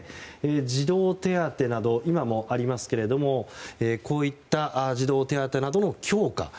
児童手当などこれは今もありますけれどもこういった児童手当などの強化。